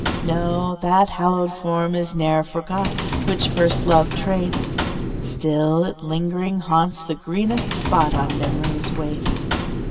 No, that hallowed form is ne'er forgot Which first love traced; Still it lingering haunts the greenest spot On memory's waste.